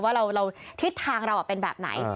ว่าทิศทางเราเป็นแบบไหน